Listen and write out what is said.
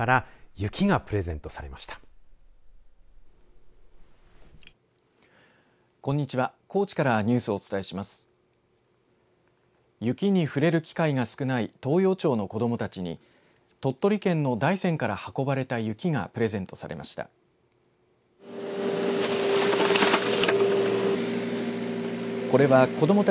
雪に触れる機会が少ない東洋町の子どもたちに鳥取県の大山から運ばれた雪がプレゼントされました。